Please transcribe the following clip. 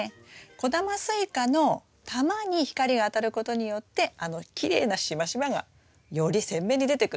小玉スイカの玉に光が当たることによってあのきれいなしましまがより鮮明に出てくるんです。